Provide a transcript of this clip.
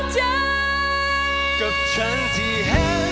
แชมป์กลุ่มนี้คือ